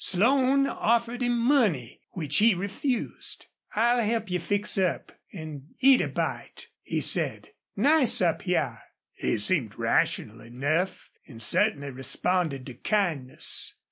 Slone offered him money, which he refused. "I'll help you fix up, an' eat a bite," he said. "Nice up hyar." He seemed rational enough and certainly responded to kindness.